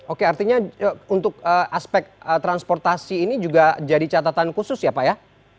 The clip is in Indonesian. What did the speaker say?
oke artinya untuk aspek transportasi ini juga jadi catatan khusus ya pak ya